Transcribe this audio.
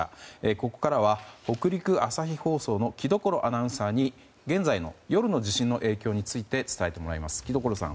ここからは北陸朝日放送の城所アナウンサーに現在の夜の地震の影響について伝えてもらいます。